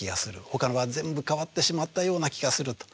ほかのは全部変わってしまったような気がする」と。